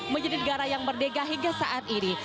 menjadi negara yang merdeka hingga saat ini